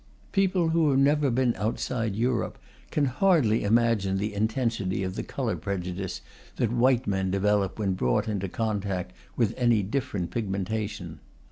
People who have never been outside Europe can hardly imagine the intensity of the colour prejudice that white men develop when brought into contact with any different pigmentation.